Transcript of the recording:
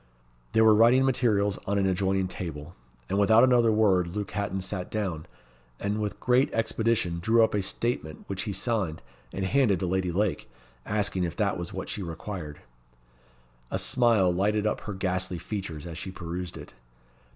There were writing materials on an adjoining table, and, without another word, Luke Hatton sat down, and with great expedition drew up a statement which he signed, and handed to Lady Lake; asking if that was what she required? A smile lighted up her ghastly features as she perused it.